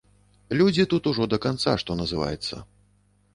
Людзі тут ужо да канца, што называецца.